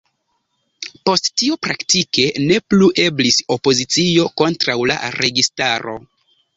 Post tio praktike ne plu eblis opozicio kontraŭ la registaro.